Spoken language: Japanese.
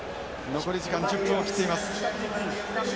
残り時間１０分を切っています。